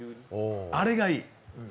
あれがいい。